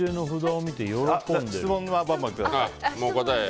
質問はバンバンください。